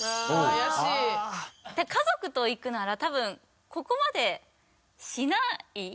怪しい家族と行くなら多分ここまでしない？